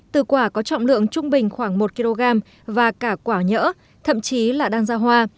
từ quả có trọng lượng trung bình khoảng một kg và cả quả nhỡ thậm chí là đang ra hoa